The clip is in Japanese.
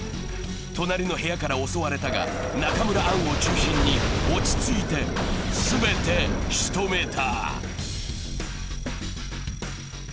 隣の部屋から襲われたが、中村アンを中心に落ち着いて、全てしとめた。